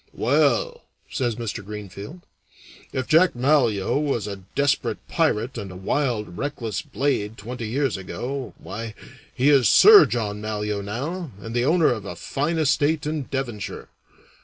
"Well," says Mr. Greenfield, "if Jack Malyoe was a desperate pirate and a wild, reckless blade twenty years ago, why, he is Sir John Malyoe now and the owner of a fine estate in Devonshire.